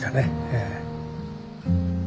ええ。